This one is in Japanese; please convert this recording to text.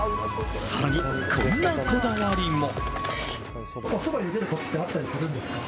更に、こんなこだわりも。